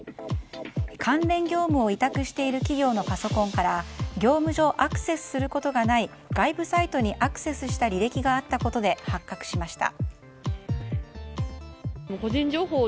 関連業務を委託している企業のパソコンから業務上アクセスすることがない外部サイトにアクセスした履歴があったことで発覚しました。